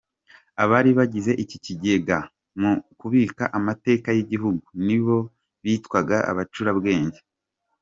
Abari bagize iki kigega mu kubika amateka y’igihugu, nibo bitwaga “Abacurabwenge”.